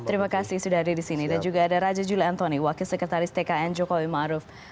terima kasih sudah hadir disini dan juga ada raja juli anthony wakil sekretaris tkn jokowi maruf